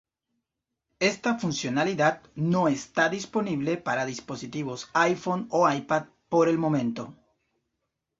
Esta funcionalidad no está disponible para dispositivos iPhone o iPad por el momento.